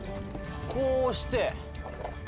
こうして。